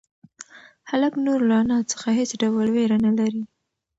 هلک نور له انا څخه هېڅ ډول وېره نهلري.